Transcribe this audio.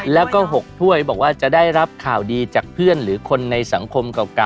แล้วก็๖ถ้วยบอกว่าจะได้รับข่าวดีจากเพื่อนหรือคนในสังคมเก่า